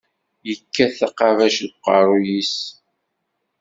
Yekkat taqabact deg uqerru-s.